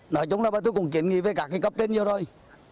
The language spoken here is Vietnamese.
nói chung là bà tôi cũng kiến nghị về các cái cấp kết nhiều rồi